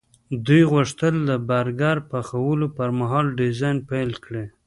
دوی غوښتل د برګر پخولو پرمهال ډیزاین پیل کړي